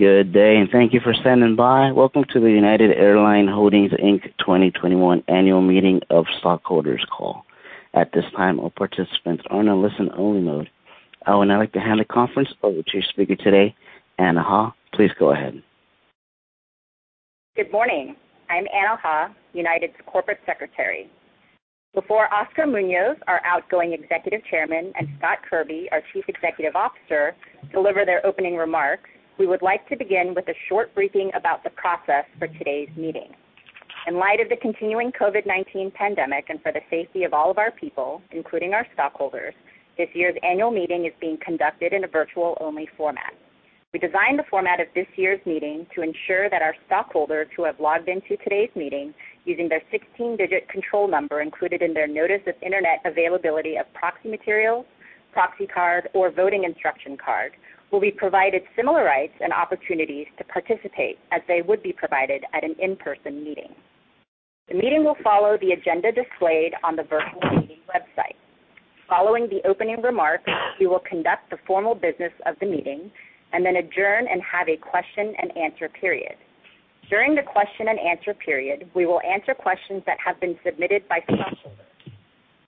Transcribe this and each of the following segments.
Welcome to the United Airlines Holdings, Inc. 2021 annual meeting of stockholders call. I would now like to hand the conference over to your speaker today, Anna Ha. Please go ahead. Good morning. I'm Anna Ha, United's Corporate Secretary. Before Oscar Munoz, our outgoing Executive Chairman, and Scott Kirby, our Chief Executive Officer, deliver their opening remarks, we would like to begin with a short briefing about the process for today's meeting. In light of the continuing COVID-19 pandemic and for the safety of all of our people, including our stockholders, this year's annual meeting is being conducted in a virtual-only format. We designed the format of this year's meeting to ensure that our stockholders who have logged into today's meeting using their 16-digit control number included in their notice of internet availability of proxy materials, proxy card, or voting instruction card will be provided similar rights and opportunities to participate as they would be provided at an in-person meeting. The meeting will follow the agenda displayed on the virtual meeting website. Following the opening remarks, we will conduct the formal business of the meeting and then adjourn and have a question-and-answer period. During the question-and-answer period, we will answer questions that have been submitted by stockholders.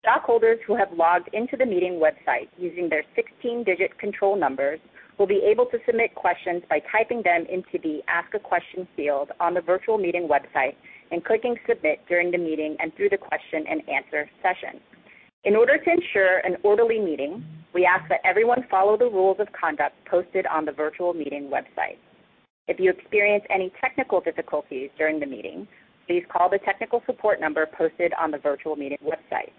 Stockholders who have logged into the meeting website using their 16-digit control numbers will be able to submit questions by typing them into the Ask a Question field on the virtual meeting website and clicking Submit during the meeting and through the question-and-answer session. In order to ensure an orderly meeting, we ask that everyone follow the rules of conduct posted on the virtual meeting website. If you experience any technical difficulties during the meeting, please call the technical support number posted on the virtual meeting website.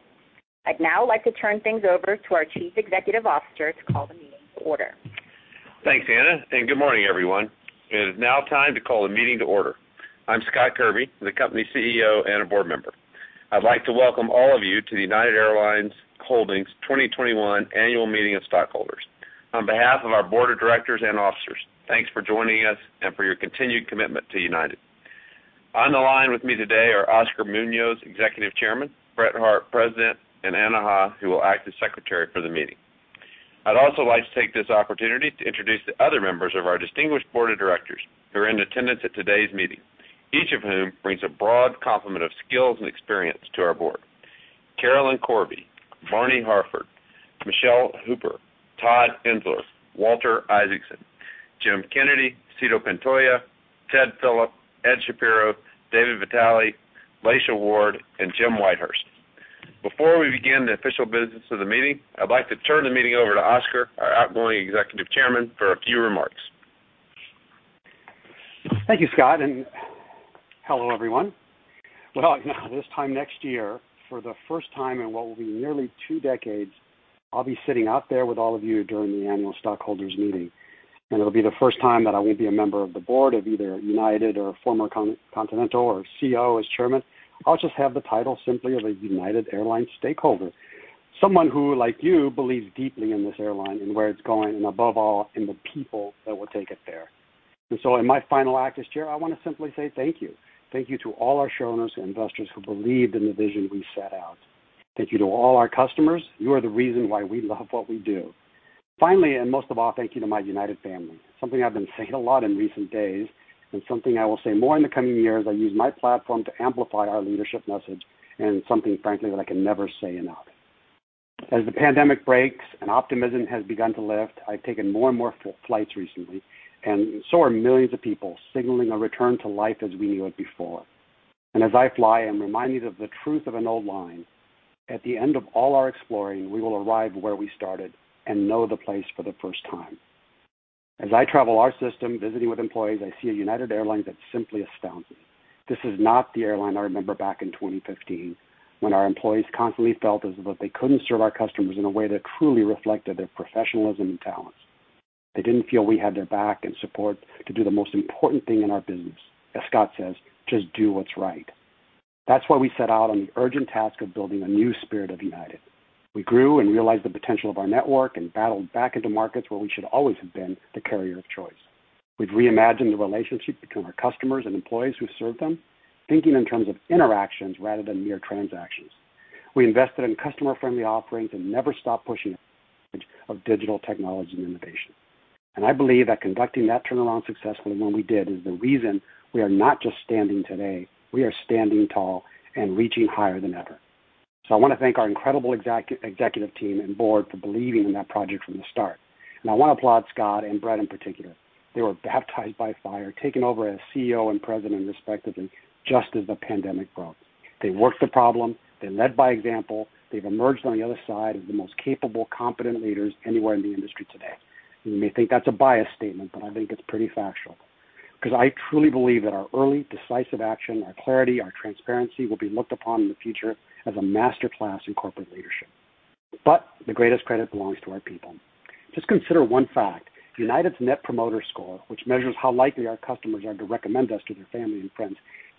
I'd now like to turn things over to our Chief Executive Officer to call the meeting to order. Thanks, Anna. Good morning, everyone. It is now time to call the meeting to order. I'm Scott Kirby, the company CEO and a board member. I'd like to welcome all of you to the United Airlines Holdings 2021 annual meeting of stockholders. On behalf of our board of directors and officers, thanks for joining us and for your continued commitment to United. On the line with me today are Oscar Munoz, Executive Chairman, Brett Hart, President, and Anna Ha, who will act as Secretary for the meeting. I'd also like to take this opportunity to introduce the other members of our distinguished board of directors who are in attendance at today's meeting, each of whom brings a broad complement of skills and experience to our board. Carolyn Corvi, Barney Harford, Michele Hooper, Todd Insler, Walter Isaacson, Jim Kennedy, Sito Pantoja, Ted Philip, Ed Shapiro, David Vitale, Laysha Ward, and Jim Whitehurst. Before we begin the official business of the meeting, I'd like to turn the meeting over to Oscar, our outgoing Executive Chairman, for a few remarks. Thank you, Scott, and hello, everyone. Well, this time next year, for the first time in what will be nearly two decades, I'll be sitting out there with all of you during the annual stockholders meeting. It'll be the first time that I won't be a member of the board of either United or former Continental or CEO or chairman. I'll just have the title simply of a United Airlines stakeholder. Someone who, like you, believes deeply in this airline and where it's going, and above all, in the people that will take it there. In my final act as chair, I want to simply say thank you. Thank you to all our shareholders and investors who believe in the vision we set out. Thank you to all our customers, you are the reason why we love what we do. Finally, most of all, thank you to my United family. Something I've been saying a lot in recent days, and something I will say more in the coming years. I use my platform to amplify our leadership message and something, frankly, that I can never say enough. As the pandemic breaks and optimism has begun to lift, I've taken more and more flights recently, and so are millions of people, signaling a return to life as we knew it before. As I fly, I'm reminded of the truth of an old line. At the end of all our exploring, we will arrive where we started and know the place for the first time. As I travel our system, visiting with employees, I see a United Airlines that simply astounds me. This is not the airline I remember back in 2015, when our employees constantly felt as if they couldn't serve our customers in a way that truly reflected their professionalism and talents. They didn't feel we had their back and support to do the most important thing in our business. As Scott says, "Just do what's right." That's why we set out on the urgent task of building a new spirit of United. We grew and realized the potential of our network and battled back into markets where we should always have been the carrier of choice. We've reimagined the relationship between our customers and employees who serve them, thinking in terms of interactions rather than mere transactions. We invested in customer-friendly offerings and never stopped pushing the edge of digital technology and innovation. I believe that conducting that turnaround successfully when we did is the reason we are not just standing today, we are standing tall and reaching higher than ever. I want to thank our incredible executive team and board for believing in that project from the start, and I want to applaud Scott and Brett in particular. They were baptized by fire, taking over as CEO and President respectively just as the pandemic broke. They worked the problem. They led by example. They've emerged on the other side as the most capable, competent leaders anywhere in the industry today. You may think that's a biased statement, but I think it's pretty factual because I truly believe that our early decisive action, our clarity, our transparency will be looked upon in the future as a masterclass in corporate leadership. The greatest credit belongs to our people. Just consider one fact. United's Net Promoter Score, which measures how likely our customers are to recommend us to their family and friends,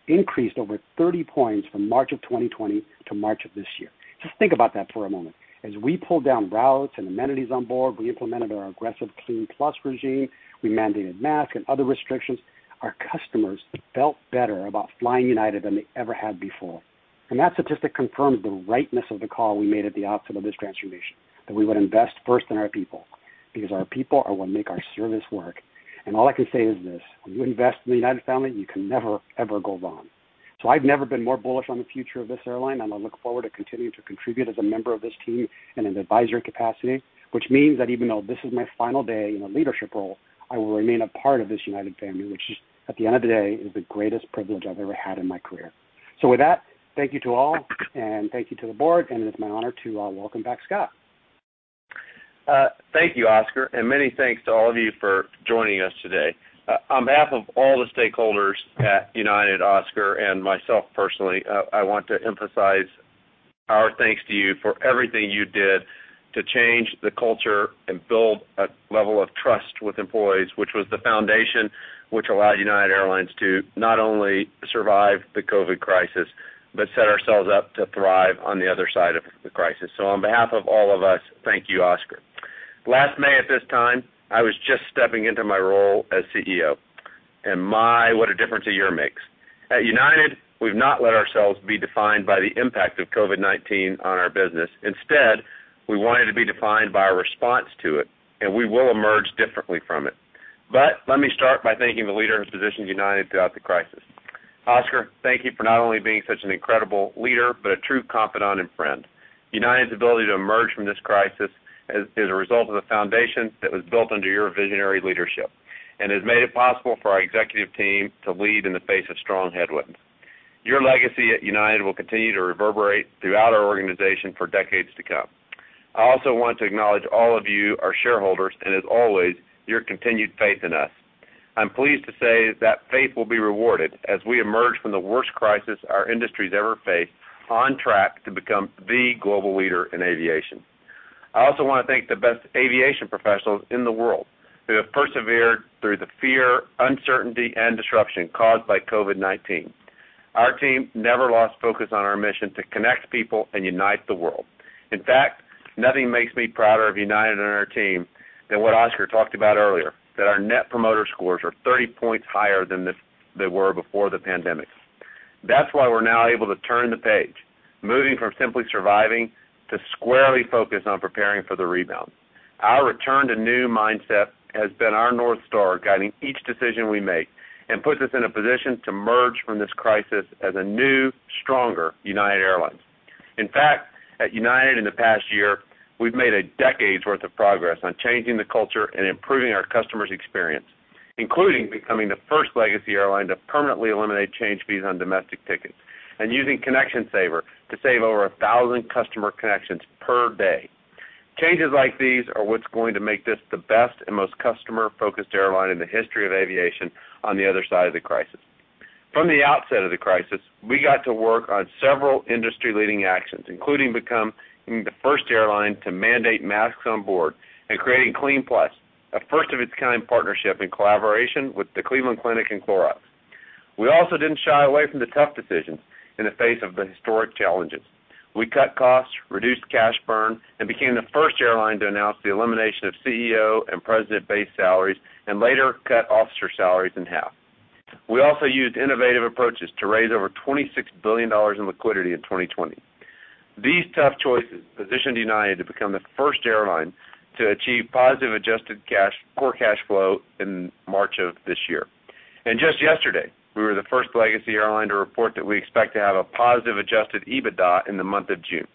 increased over 30 points from March of 2020 to March of this year. Just think about that for a moment. As we pulled down routes and amenities on board, we implemented our aggressive CleanPlus regime, we mandated masks and other restrictions, our customers felt better about flying United than they ever had before. That statistic confirms the rightness of the call we made at the outset of this transformation, that we would invest first in our people, because our people are what make our service work. All I can say is this: When you invest in the United family, you can never, ever go wrong. I've never been more bullish on the future of this airline, and I look forward to continuing to contribute as a member of this team in an advisory capacity, which means that even though this is my final day in a leadership role, I will remain a part of this United family, which, at the end of the day, is the greatest privilege I've ever had in my career. With that, thank you to all, and thank you to the board, and it is my honor to welcome back Scott. Thank you, Oscar, and many thanks to all of you for joining us today. On behalf of all the stakeholders at United, Oscar, and myself personally, I want to emphasize our thanks to you for everything you did to change the culture and build a level of trust with employees, which was the foundation which allowed United Airlines to not only survive the COVID-19 crisis, but set ourselves up to thrive on the other side of the crisis. On behalf of all of us, thank you, Oscar. Last May at this time, I was just stepping into my role as CEO, and my, what a difference a year makes. At United, we've not let ourselves be defined by the impact of COVID-19 on our business. Instead, we want it to be defined by our response to it, and we will emerge differently from it. Let me start by thanking the leader who's positioned United Airlines throughout the crisis. Oscar, thank you for not only being such an incredible leader, but a true confidant and friend. United Airlines' ability to emerge from this crisis is a result of the foundation that was built under your visionary leadership and has made it possible for our executive team to lead in the face of strong headwinds. Your legacy at United Airlines will continue to reverberate throughout our organization for decades to come. I also want to acknowledge all of you, our shareholders, and as always, your continued faith in us. I'm pleased to say that faith will be rewarded as we emerge from the worst crisis our industry's ever faced, on track to become the global leader in aviation. I also want to thank the best aviation professionals in the world who have persevered through the fear, uncertainty, and disruption caused by COVID-19. Our team never lost focus on our mission to connect people and unite the world. In fact, nothing makes me prouder of United and our team than what Oscar talked about earlier, that our Net Promoter Scores are 30 points higher than they were before the pandemic. That's why we're now able to turn the page, moving from simply surviving to squarely focused on preparing for the rebound. Our Return to New mindset has been our North Star guiding each decision we make and puts us in a position to emerge from this crisis as a new, stronger United Airlines. In fact, at United in the past year, we've made a decade's worth of progress on changing the culture and improving our customers' experience, including becoming the first legacy airline to permanently eliminate change fees on domestic tickets and using ConnectionSaver to save over 1,000 customer connections per day. Changes like these are what's going to make this the best and most customer-focused airline in the history of aviation on the other side of the crisis. From the outset of the crisis, we got to work on several industry-leading actions, including becoming the first airline to mandate masks on board and creating CleanPlus, a first-of-its-kind partnership in collaboration with the Cleveland Clinic and Clorox. We also didn't shy away from the tough decisions in the face of the historic challenges. We cut costs, reduced cash burn, and became the first airline to announce the elimination of CEO and President base salaries, and later cut officer salaries in half. We also used innovative approaches to raise over $26 billion in liquidity in 2020. These tough choices positioned United to become the first airline to achieve positive adjusted core cash flow in March of this year. Just yesterday, we were the first legacy airline to report that we expect to have a positive adjusted EBITDA in the month of June.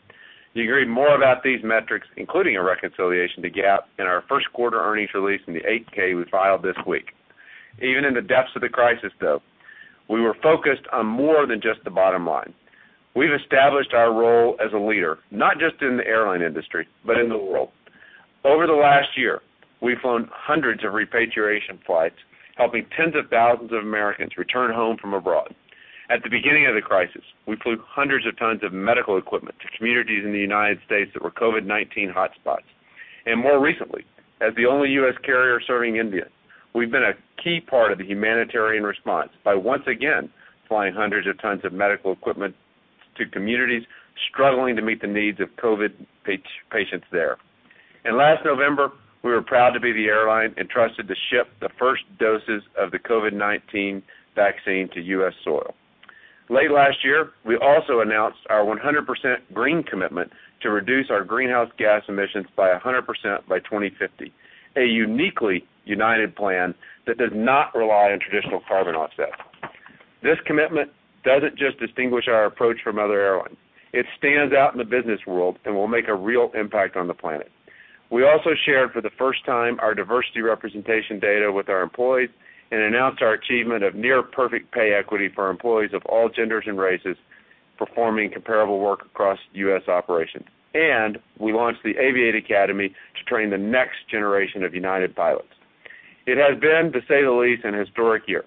You can read more about these metrics, including a reconciliation to GAAP, in our first quarter earnings release in the 8-K we filed this week. Even in the depths of the crisis, though, we were focused on more than just the bottom line. We've established our role as a leader, not just in the airline industry, but in the world. Over the last year, we've flown hundreds of repatriation flights, helping tens of thousands of Americans return home from abroad. At the beginning of the crisis, we flew hundreds of tons of medical equipment to communities in the United States that were COVID-19 hotspots. More recently, as the only U.S. carrier serving India, we've been a key part of the humanitarian response by once again flying hundreds of tons of medical equipment to communities struggling to meet the needs of COVID patients there. Last November, we were proud to be the airline entrusted to ship the first doses of the COVID-19 vaccine to U.S. soil. Late last year, we also announced our 100% green commitment to reduce our greenhouse gas emissions by 100% by 2050, a uniquely United plan that does not rely on traditional carbon offsets. This commitment doesn't just distinguish our approach from other airlines. It stands out in the business world and will make a real impact on the planet. We also shared for the first time our diversity representation data with our employees and announced our achievement of near-perfect pay equity for employees of all genders and races performing comparable work across U.S. operations. We launched the Aviate Academy to train the next generation of United pilots. It has been, to say the least, an historic year.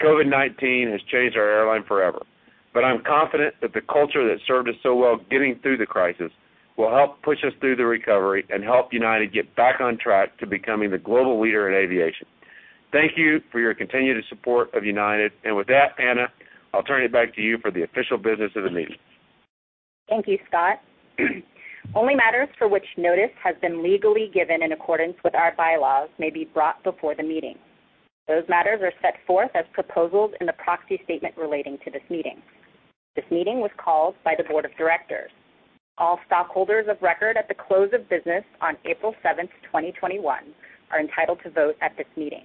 COVID-19 has changed our airline forever, I'm confident that the culture that served us so well getting through the crisis will help push us through the recovery and help United get back on track to becoming the global leader in aviation. Thank you for your continued support of United, and with that, Anna, I'll turn it back to you for the official business of the meeting. Thank you, Scott. Only matters for which notice has been legally given in accordance with our bylaws may be brought before the meeting. Those matters are set forth as proposals in the proxy statement relating to this meeting. This meeting was called by the board of directors. All stockholders of record at the close of business on April 7th, 2021, are entitled to vote at this meeting.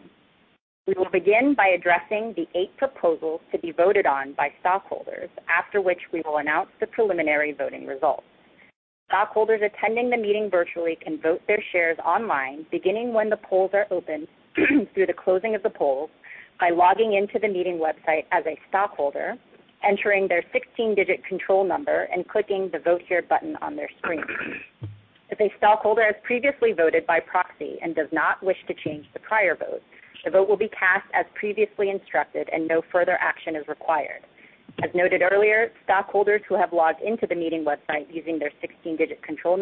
We will begin by addressing the eight proposals to be voted on by stockholders, after which we will announce the preliminary voting results. Stockholders attending the meeting virtually can vote their shares online, beginning when the polls are open through the closing of the polls by logging in to the meeting website as a stockholder, entering their 16-digit control number, and clicking the Vote Here button on their screen. If a stockholder has previously voted by proxy and does not wish to change the prior vote, the vote will be cast as previously instructed and no further action is required. As noted earlier, stockholders who have logged into the meeting website using their 16-digit control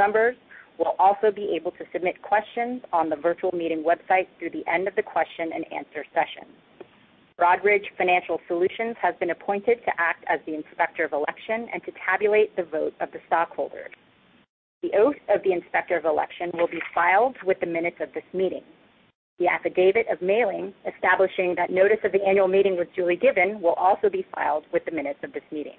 numbers will also be able to submit questions on the virtual meeting website through the end of the question-and-answer session. Broadridge Financial Solutions has been appointed to act as the inspector of election and to tabulate the votes of the stockholders. The oath of the inspector of election will be filed with the minutes of this meeting. The affidavit of mailing, establishing that notice of the annual meeting was duly given, will also be filed with the minutes of this meeting.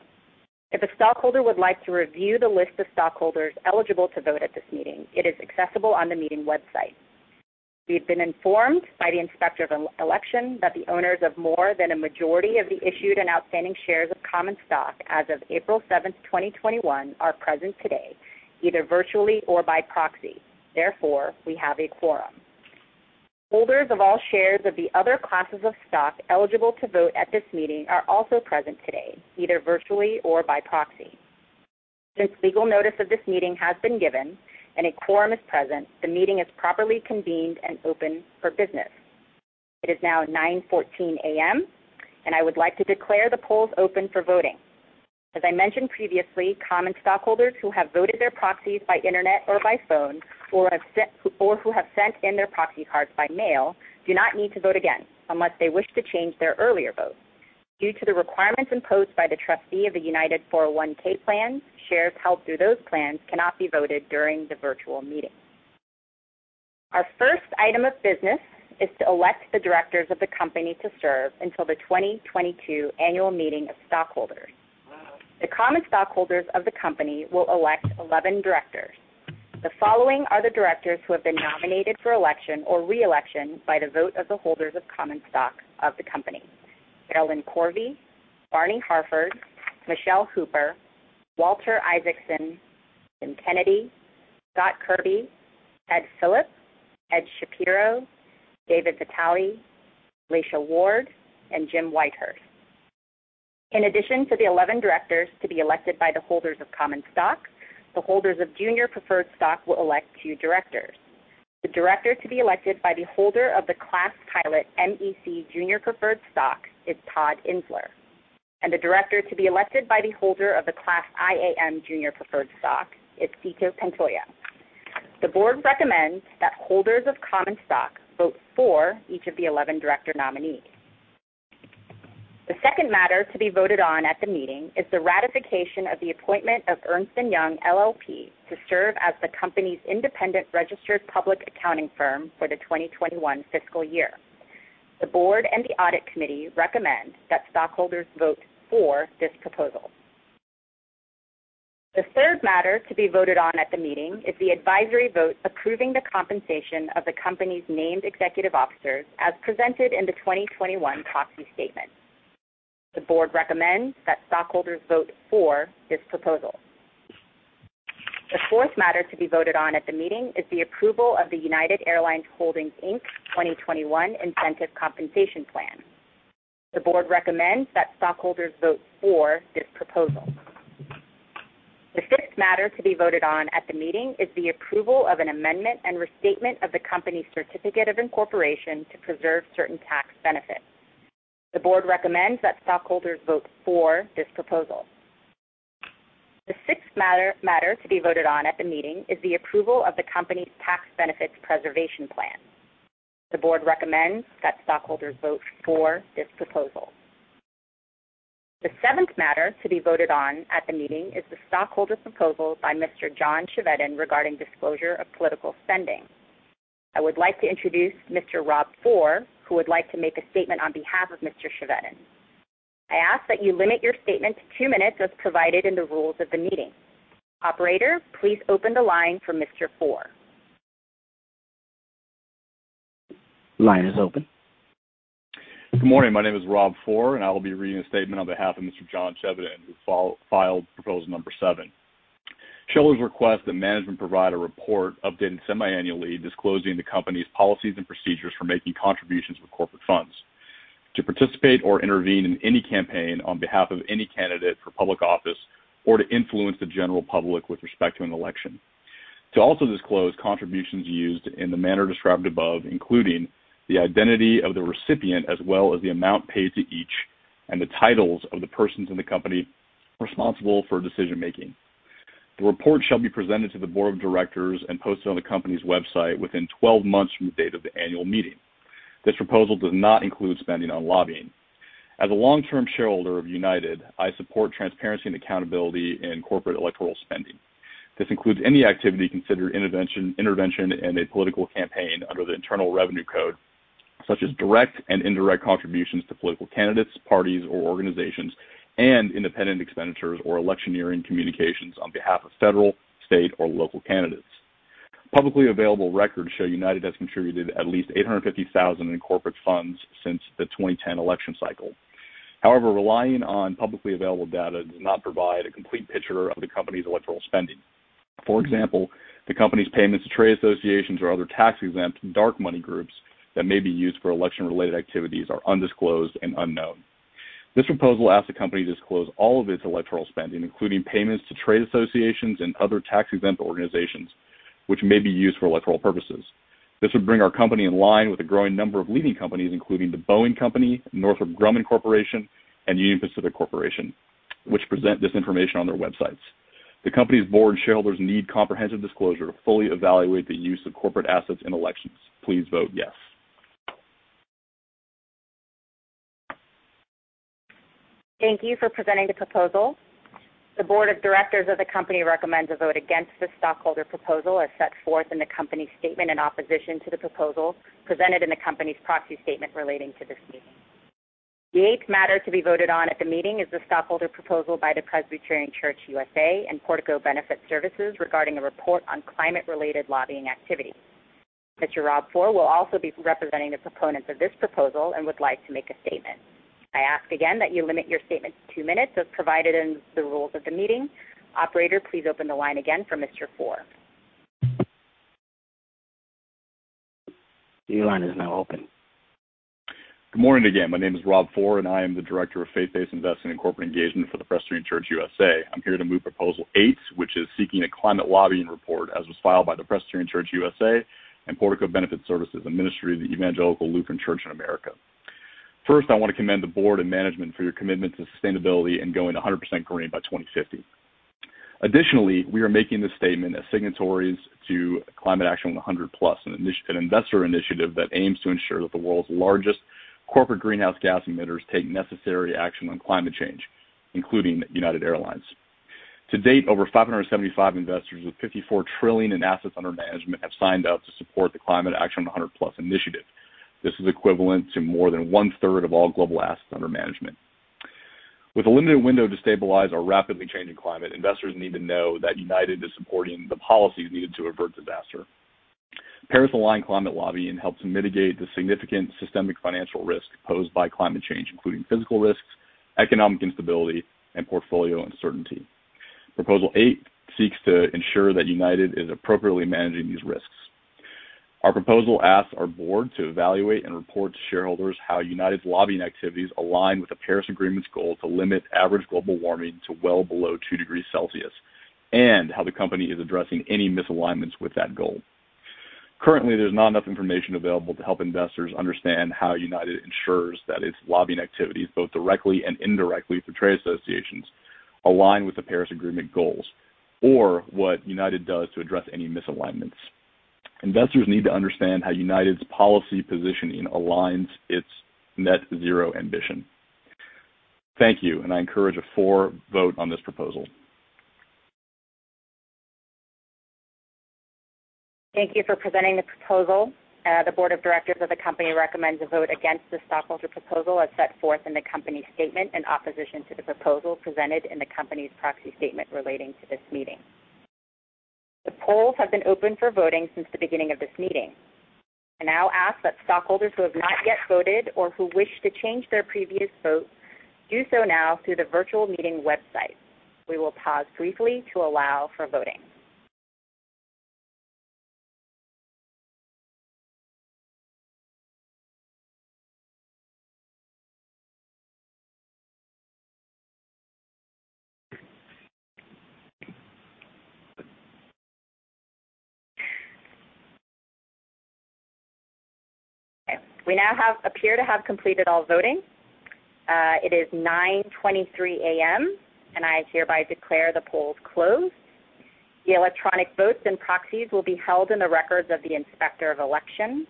If a stockholder would like to review the list of stockholders eligible to vote at this meeting, it is accessible on the meeting website. We've been informed by the inspector of election that the owners of more than a majority of the issued and outstanding shares of common stock as of April 7th, 2021, are present today, either virtually or by proxy. Therefore, we have a quorum. Holders of all shares of the other classes of stock eligible to vote at this meeting are also present today, either virtually or by proxy. Since legal notice of this meeting has been given and a quorum is present, the meeting is properly convened and open for business. It is now 9:14 A.M., and I would like to declare the polls open for voting. As I mentioned previously, common stockholders who have voted their proxies by internet or by phone or who have sent in their proxy cards by mail do not need to vote again unless they wish to change their earlier votes. Due to the requirements imposed by the trustee of the United 401(k) plan, shares held through those plans cannot be voted during the virtual meeting. Our first item of business is to elect the directors of the company to serve until the 2022 annual meeting of stockholders. The common stockholders of the company will elect 11 directors. The following are the directors who have been nominated for election or re-election by the vote of the holders of common stock of the company. Carolyn Corvi, Barney Harford, Michele Hooper, Walter Isaacson, Jim Kennedy, Scott Kirby, Ted Philip, Ed Shapiro, David Vitale, Laysha Ward, and Jim Whitehurst. In addition to the 11 directors to be elected by the holders of common stock, the holders of junior preferred stock will elect two directors. The director to be elected by the holder of the Class Pilot MEC Junior Preferred Stock is Todd Insler, and the director to be elected by the holder of the Class IAM Junior Preferred Stock is Sito Pantoja. The board recommends that holders of common stock vote for each of the 11 director nominees. The second matter to be voted on at the meeting is the ratification of the appointment of Ernst & Young LLP to serve as the company's independent registered public accounting firm for the 2021 fiscal year. The board and the audit committee recommend that stockholders vote for this proposal. The third matter to be voted on at the meeting is the advisory vote approving the compensation of the company's named executive officers as presented in the 2021 proxy statement. The board recommends that stockholders vote for this proposal. The fourth matter to be voted on at the meeting is the approval of the United Airlines Holdings, Inc. 2021 Incentive Compensation Plan. The board recommends that stockholders vote for this proposal. The fifth matter to be voted on at the meeting is the approval of an amendment and restatement of the company's certificate of incorporation to preserve certain tax benefits. The board recommends that stockholders vote for this proposal. The sixth matter to be voted on at the meeting is the approval of the company's tax benefits preservation plan. The board recommends that stockholders vote for this proposal. The seventh matter to be voted on at the meeting is the stockholder proposal by Mr. John Chevedden regarding disclosure of political spending. I would like to introduce Mr. Rob Fohr, who would like to make a statement on behalf of Mr. Chevedden. I ask that you limit your statement to two minutes as provided in the rules of the meeting. Operator, please open the line for Mr. Fohr. Line is open. Good morning. My name is Rob Fohr, and I will be reading a statement on behalf of Mr. John Chevedden, who filed proposal number seven. Shareholders request that management provide a report updated semiannually disclosing the company's policies and procedures for making contributions with corporate funds to participate or intervene in any campaign on behalf of any candidate for public office or to influence the general public with respect to an election. To also disclose contributions used in the manner described above, including the identity of the recipient as well as the amount paid to each, and the titles of the persons in the company responsible for decision-making. The report shall be presented to the board of directors and posted on the company's website within 12 months from the date of the annual meeting. This proposal does not include spending on lobbying. As a long-term shareholder of United, I support transparency and accountability in corporate electoral spending. This includes any activity considered intervention in a political campaign under the Internal Revenue Code, such as direct and indirect contributions to political candidates, parties, or organizations, and independent expenditures or electioneering communications on behalf of federal, state, or local candidates. Publicly available records show United has contributed at least $850,000 in corporate funds since the 2010 election cycle. However, relying on publicly available data does not provide a complete picture of the company's electoral spending. For example, the company's payments to trade associations or other tax-exempt dark money groups that may be used for election-related activities are undisclosed and unknown. This proposal asks the company to disclose all of its electoral spending, including payments to trade associations and other tax-exempt organizations, which may be used for electoral purposes. This would bring our company in line with a growing number of leading companies, including The Boeing Company, Northrop Grumman Corporation, and Union Pacific Corporation, which present this information on their websites. The company's board and shareholders need comprehensive disclosure to fully evaluate the use of corporate assets in elections. Please vote yes. Thank you for presenting the proposal. The board of directors of the company recommends a vote against this stockholder proposal as set forth in the company's statement in opposition to the proposal presented in the company's proxy statement relating to this meeting. The eighth matter to be voted on at the meeting is the stockholder proposal by the Presbyterian Church (U.S.A.) and Portico Benefit Services regarding a report on climate-related lobbying activity. Mr. Rob Fohr will also be representing the proponents of this proposal and would like to make a statement. I ask again that you limit your statement to two minutes, as provided in the rules of the meeting. Operator, please open the line again for Mr. Fohr. Your line is now open. Good morning again. My name is Rob Fohr, and I am the Director of Faith-Based Investing and Corporate Engagement for the Presbyterian Church (U.S.A.). I'm here to move Proposal Eight, which is seeking a climate lobbying report, as was filed by the Presbyterian Church (U.S.A.) and Portico Benefit Services, a ministry of the Evangelical Lutheran Church in America. First, I want to commend the board and management for your commitment to sustainability and going 100% green by 2050. Additionally, we are making this statement as signatories to Climate Action 100+, an investor initiative that aims to ensure that the world's largest corporate greenhouse gas emitters take necessary action on climate change, including United Airlines. To date, over 575 investors with $54 trillion in assets under management have signed up to support the Climate Action 100+ initiative. This is equivalent to more than 1/3 of all global assets under management. With a limited window to stabilize our rapidly changing climate, investors need to know that United is supporting the policies needed to avert disaster. Paris-aligned climate lobbying helps mitigate the significant systemic financial risk posed by climate change, including physical risks, economic instability, and portfolio uncertainty. Proposal Eight seeks to ensure that United is appropriately managing these risks. Our proposal asks our board to evaluate and report to shareholders how United's lobbying activities align with the Paris Agreement's goal to limit average global warming to well below two degrees Celsius, and how the company is addressing any misalignments with that goal. Currently, there's not enough information available to help investors understand how United ensures that its lobbying activities, both directly and indirectly through trade associations, align with the Paris Agreement goals, or what United does to address any misalignments. Investors need to understand how United's policy positioning aligns its net zero ambition. Thank you, and I encourage a for vote on this proposal. Thank you for presenting the proposal. The board of directors of the company recommends a vote against this stockholder proposal as set forth in the company's statement in opposition to the proposal presented in the company's proxy statement relating to this meeting. The polls have been open for voting since the beginning of this meeting. I now ask that stockholders who have not yet voted or who wish to change their previous vote do so now through the virtual meeting website. We will pause briefly to allow for voting. Okay. We now appear to have completed all voting. It is 9:23 A.M., and I hereby declare the polls closed. The electronic votes and proxies will be held in the records of the Inspector of Election.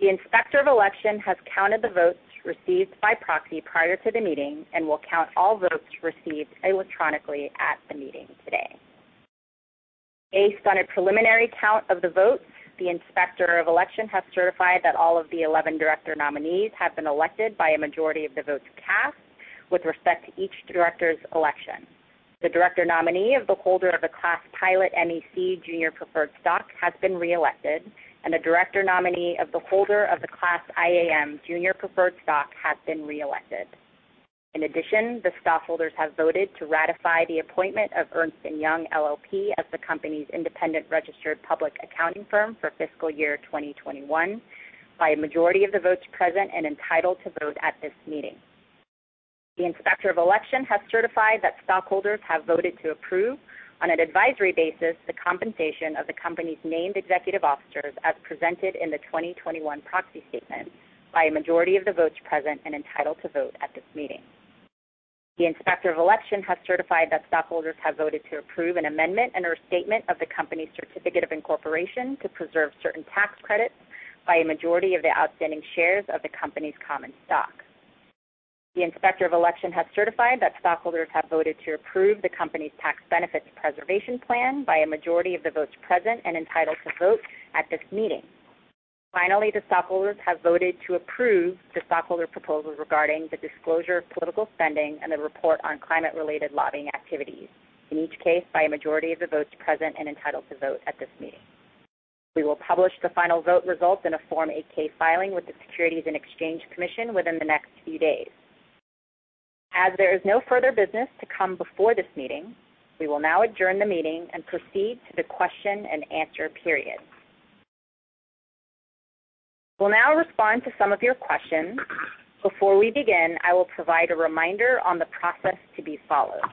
The Inspector of Election has counted the votes received by proxy prior to the meeting and will count all votes received electronically at the meeting today. Based on a preliminary count of the votes, the Inspector of Election has certified that all of the 11 director nominees have been elected by a majority of the votes cast with respect to each director's election. The director nominee of the holder of the Class Pilot MEC Junior Preferred Stock has been reelected, and the director nominee of the holder of the Class IAM Junior Preferred Stock has been reelected. In addition, the stockholders have voted to ratify the appointment of Ernst & Young LLP as the company's independent registered public accounting firm for fiscal year 2021 by a majority of the votes present and entitled to vote at this meeting. The Inspector of Election has certified that stockholders have voted to approve, on an advisory basis, the compensation of the company's named executive officers as presented in the 2021 proxy statement by a majority of the votes present and entitled to vote at this meeting. The Inspector of Election has certified that stockholders have voted to approve an amendment and restatement of the company's certificate of incorporation to preserve certain tax credits by a majority of the outstanding shares of the company's common stock. The Inspector of Election has certified that stockholders have voted to approve the company's Tax Benefits Preservation Plan by a majority of the votes present and entitled to vote at this meeting. Finally, the stockholders have voted to approve the stockholder proposal regarding the disclosure of political spending and the report on climate-related lobbying activities, in each case by a majority of the votes present and entitled to vote at this meeting. We will publish the final vote results in a Form 8-K filing with the Securities and Exchange Commission within the next few days. As there is no further business to come before this meeting, we will now adjourn the meeting and proceed to the question-and-answer period. We'll now respond to some of your questions. Before we begin, I will provide a reminder on the process to be followed.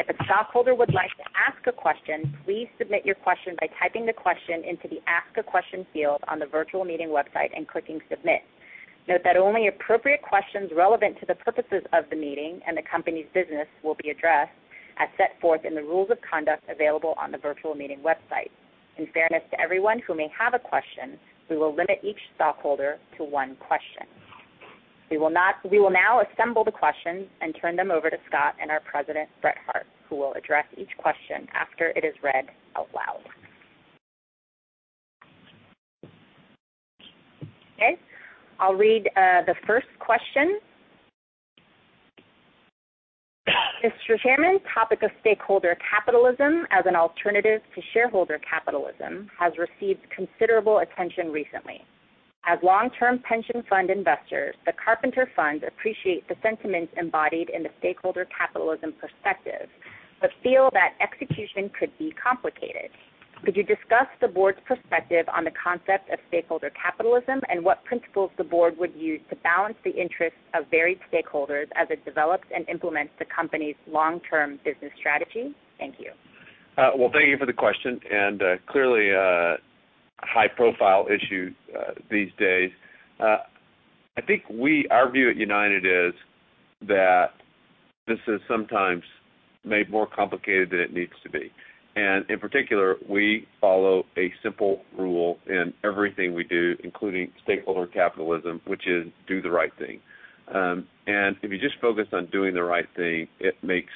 If a stockholder would like to ask a question, please submit your question by typing the question into the Ask a Question field on the virtual meeting website and clicking Submit. Note that only appropriate questions relevant to the purposes of the meeting and the company's business will be addressed as set forth in the rules of conduct available on the virtual meeting website. In fairness to everyone who may have a question, we will limit each stockholder to one question. We will now assemble the questions and turn them over to Scott and our President, Brett Hart, who will address each question after it is read out loud. Okay, I'll read the first question. "Mr. Chairman, topic of stakeholder capitalism as an alternative to shareholder capitalism has received considerable attention recently. As long-term pension fund investors, the Carpenter Funds appreciate the sentiments embodied in the stakeholder capitalism perspective but feel that execution could be complicated. Could you discuss the board's perspective on the concept of stakeholder capitalism and what principles the board would use to balance the interests of varied stakeholders as it develops and implements the company's long-term business strategy? Thank you." Well, thank you for the question, clearly a high-profile issue these days. I think our view at United is that this is sometimes made more complicated than it needs to be. In particular, we follow a simple rule in everything we do, including stakeholder capitalism, which is do the right thing. If you just focus on doing the right thing, it makes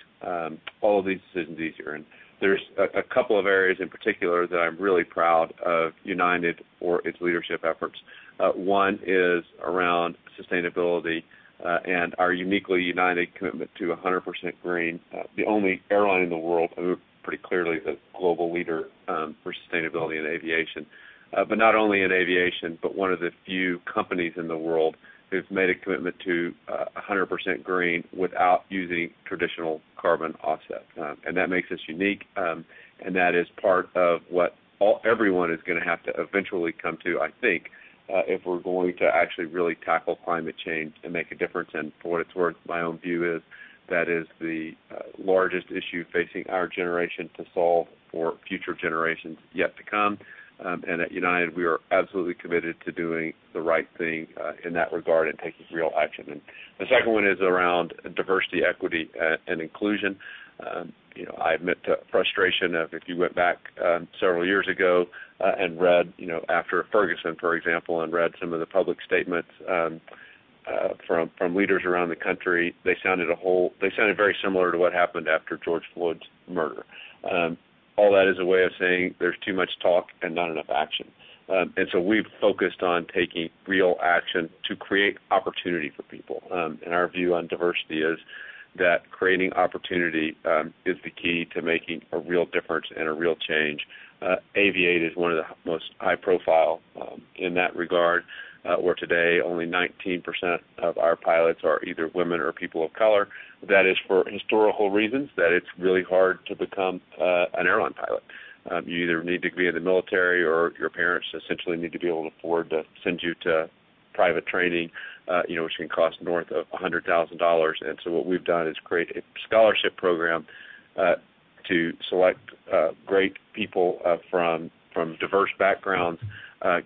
all of these decisions easier. There's a couple of areas in particular that I'm really proud of United for its leadership efforts. One is around sustainability and our uniquely United commitment to 100% green, the only airline in the world who are pretty clearly the global leader for sustainability in aviation. Not only in aviation, but one of the few companies in the world who've made a commitment to 100% green without using traditional carbon offset. That makes us unique, and that is part of what everyone is going to have to eventually come to, I think, if we're going to actually really tackle climate change and make a difference. For what it's worth, my own view is that is the largest issue facing our generation to solve for future generations yet to come. At United, we are absolutely committed to doing the right thing in that regard and taking real action. The second one is around diversity, equity, and inclusion. I admit to frustration of if you went back several years ago and read after Ferguson, for example, and read some of the public statements from leaders around the country, they sounded very similar to what happened after George Floyd's murder. All that is a way of saying there's too much talk and not enough action. We've focused on taking real action to create opportunity for people. Our view on diversity is that creating opportunity is the key to making a real difference and a real change. Aviate is one of the most high profile in that regard, where today only 19% of our pilots are either women or people of color. That is for historical reasons that it's really hard to become an airline pilot. You either need to be in the military or your parents essentially need to be able to afford to send you to private training which can cost north of $100,000. What we've done is create a scholarship program to select great people from diverse backgrounds,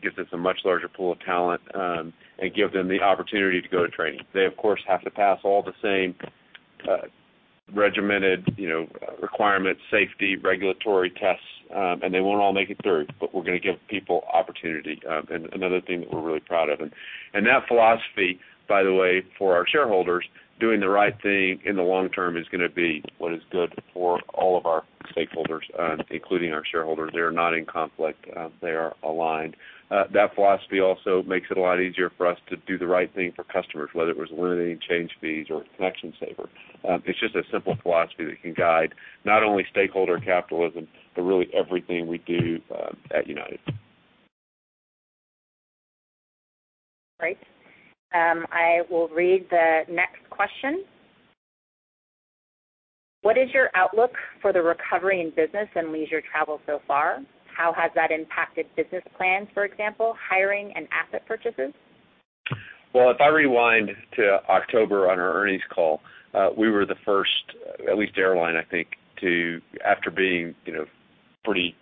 gives us a much larger pool of talent, and give them the opportunity to go to training. They, of course, have to pass all the same regimented requirements, safety, regulatory tests, and they won't all make it through, but we're going to give people opportunity. Another thing that we're really proud of. That philosophy, by the way, for our shareholders, doing the right thing in the long term is going to be what is good for all of our stakeholders, including our shareholders. They are not in conflict, they are aligned. That philosophy also makes it a lot easier for us to do the right thing for customers, whether it was eliminating change fees or ConnectionSaver. It's just a simple philosophy that can guide not only stakeholder capitalism, but really everything we do at United. Great. I will read the next question. "What is your outlook for the recovery in business and leisure travel so far? How has that impacted business plans? For example, hiring and asset purchases?" Well, if I rewind to October on our earnings call, we were the first, at least airline, I think, after being pretty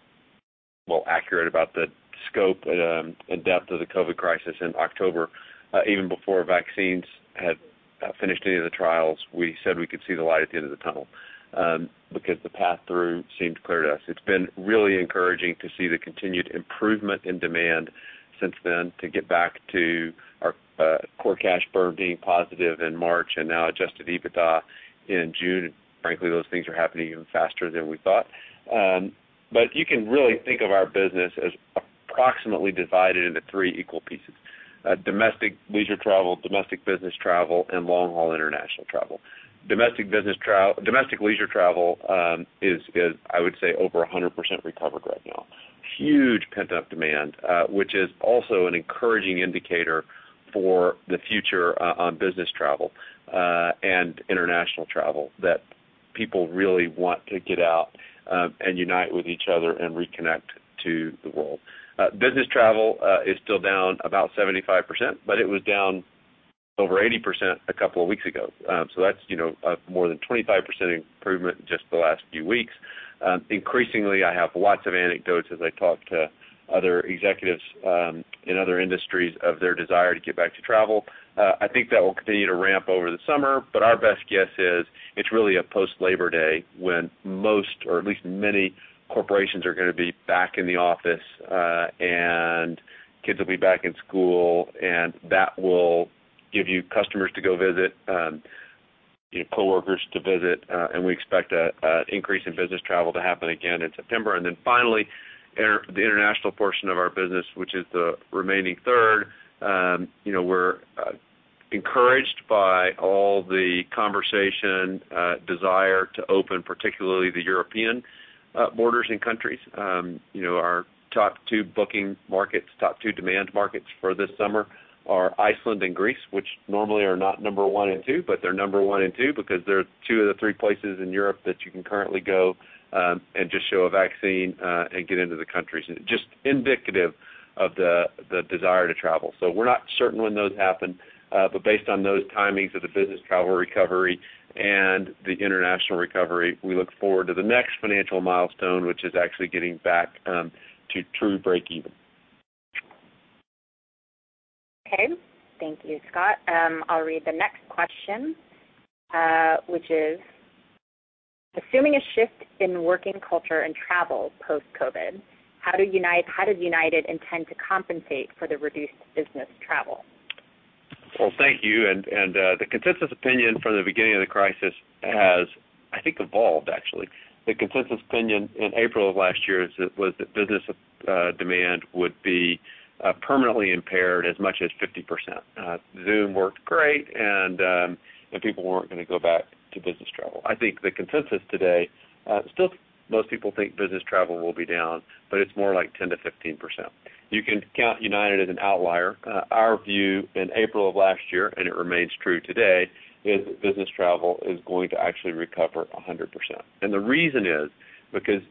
well accurate about the scope and depth of the COVID crisis in October, even before vaccines had finished any of the trials, we said we could see the light at the end of the tunnel because the path through seemed clear to us. It's been really encouraging to see the continued improvement in demand since then to get back to our core cash burn being positive in March and now adjusted EBITDA in June. Frankly, those things are happening even faster than we thought. You can really think of our business as approximately divided into three equal pieces: domestic leisure travel, domestic business travel, and long-haul international travel. Domestic leisure travel is, I would say, over 100% recovered right now. Huge pent-up demand, which is also an encouraging indicator for the future on business travel and international travel, that people really want to get out and unite with each other and reconnect to the world. Business travel is still down about 75%, but it was down over 80% a couple of weeks ago. That's more than 25% improvement in just the last few weeks. Increasingly, I have lots of anecdotes as I talk to other executives in other industries of their desire to get back to travel. I think that will continue to ramp over the summer, but our best guess is it's really a post-Labor Day when most or at least many corporations are going to be back in the office and kids will be back in school, that will give you customers to go visit, co-workers to visit, we expect an increase in business travel to happen again in September. Finally, the international portion of our business, which is the remaining third. We're encouraged by all the conversation, desire to open, particularly the European borders and countries. Our top two booking markets, top two demand markets for this summer are Iceland and Greece, which normally are not number one and two, but they're number one and two because they're two of the three places in Europe that you can currently go and just show a vaccine and get into the country. Just indicative of the desire to travel. We're not certain when those happen, but based on those timings of the business travel recovery and the international recovery, we look forward to the next financial milestone, which is actually getting back to true breakeven. Okay. Thank you, Scott. I'll read the next question, which is, "Assuming a shift in working culture and travel post-COVID-19, how does United intend to compensate for the reduced business travel?" Well, thank you. The consensus opinion from the beginning of the crisis has, I think, evolved actually. The consensus opinion in April of last year was that business demand would be permanently impaired as much as 50%. Zoom worked great, and people weren't going to go back to business travel. I think the consensus today, still most people think business travel will be down, but it's more like 10%-15%. You can count United as an outlier. Our view in April of last year, and it remains true today, is that business travel is going to actually recover 100%. The reason is because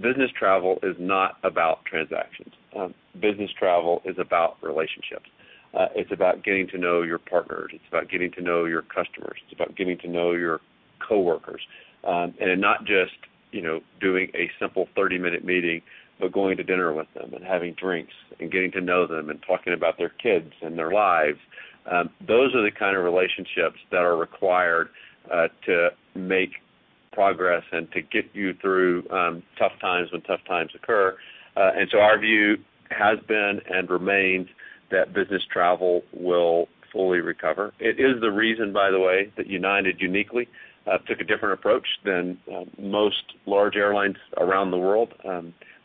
business travel is not about transactions. Business travel is about relationships. It's about getting to know your partners. It's about getting to know your customers. It's about getting to know your coworkers. Not just doing a simple 30-minute meeting, but going to dinner with them and having drinks and getting to know them and talking about their kids and their lives. Those are the kind of relationships that are required to make progress and to get you through tough times when tough times occur. Our view has been and remains that business travel will fully recover. It is the reason, by the way, that United uniquely took a different approach than most large airlines around the world.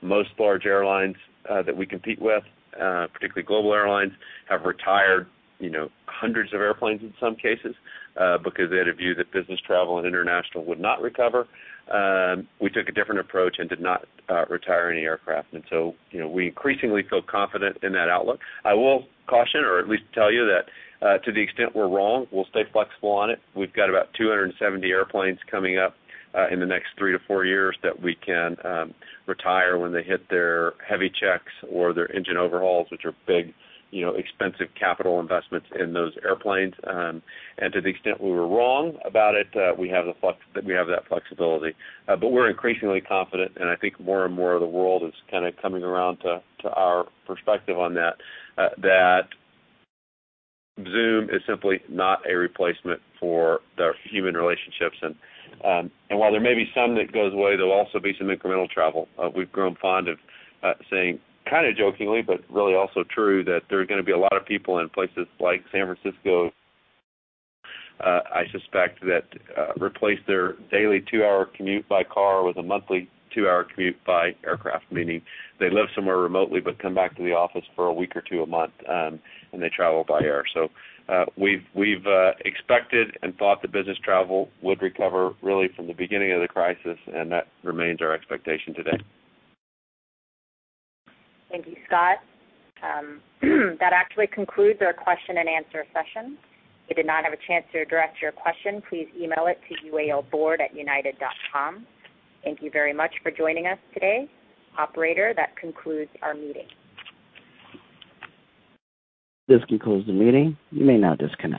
Most large airlines that we compete with, particularly global airlines, have retired hundreds of airplanes in some cases because they had a view that business travel and international would not recover. We took a different approach and did not retire any aircraft, and so we increasingly feel confident in that outlook. I will caution or at least tell you that to the extent we're wrong, we'll stay flexible on it. We've got about 270 airplanes coming up in the next three or four years that we can retire when they hit their heavy checks or their engine overhauls, which are big expensive capital investments in those airplanes. To the extent we were wrong about it, we have that flexibility. We're increasingly confident, and I think more and more of the world is coming around to our perspective on that Zoom is simply not a replacement for the human relationships. While there may be some that goes away, there'll also be some incremental travel. We've grown fond of saying, kind of jokingly but really also true, that there are going to be a lot of people in places like San Francisco, I suspect, that replace their daily two-hour commute by car with a monthly two-hour commute by aircraft, meaning they live somewhere remotely but come back to the office for a week or two a month, and they travel by air. We've expected and thought that business travel would recover really from the beginning of the crisis, and that remains our expectation today. Thank you, Scott. That actually concludes our question-and-answer session. If you did not have a chance to direct your question, please email it to uaboard@united.com. Thank you very much for joining us today. Operator, that concludes our meeting. This concludes the meeting. You may now disconnect.